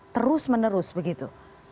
terus menerus begitu